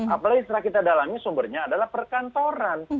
apalagi setelah kita dalami sumbernya adalah perkantoran